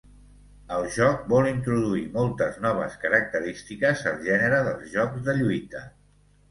El joc vol introduir moltes noves característiques al gènere dels jocs de lluita.